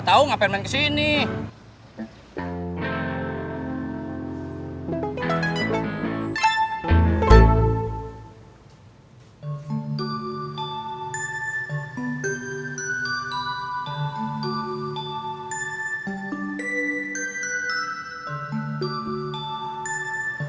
hai bayarannya sigedei that's you know